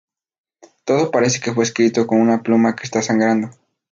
Todo parece que fue escrito con una pluma que está sangrando.